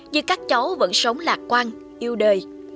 như các cháu vẫn sống lạc quan yêu đời